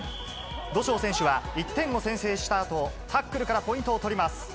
土性選手は１点を先制したあと、タックルからポイントを取ります。